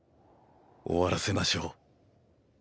終わらせましょう。